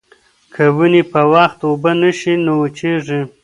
که ونې په وخت اوبه نه شي نو وچېږي.